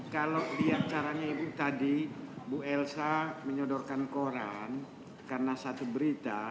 kalau lihat caranya ibu tadi bu elsa menyodorkan koran karena satu berita